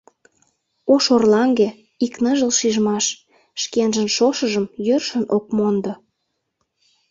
Ош орлаҥге — ик ныжыл шижмаш Шкенжын шошыжым йӧршын ок мондо.